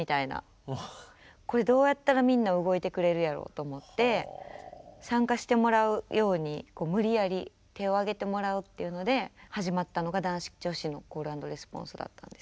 これどうやったらみんな動いてくれるやろと思って参加してもらうように無理やり手を上げてもらうっていうので始まったのが男子・女子のコール＆レスポンスだったんです。